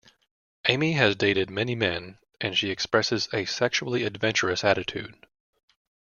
Amy has dated many men, and she expresses a sexually adventurous attitude.